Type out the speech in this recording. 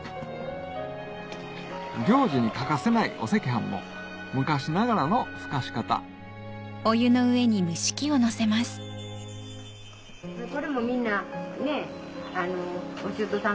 行事に欠かせないお赤飯も昔ながらのふかし方できた？